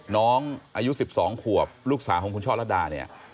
น้องอายุ๑๒ขวบลูกสาวของคุณช่อระดาเนี่ย